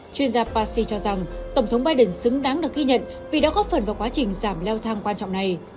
chuyên gia paci cho rằng tổng thống biden xứng đáng được ghi nhận vì đã góp phần vào quá trình giảm leo thang quan trọng này